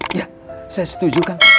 iya saya setuju kang